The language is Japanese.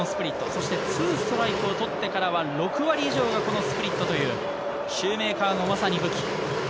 そして２ストライクを取ってからは６割以上がこのスプリットというシューメーカーのまさに武器。